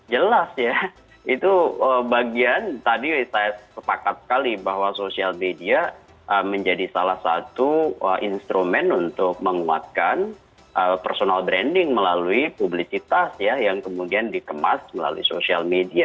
jelas ya itu bagian tadi saya sepakat sekali bahwa sosial media menjadi salah satu instrumen untuk menguatkan personal branding melalui publisitas ya yang kemudian dikemas melalui sosial media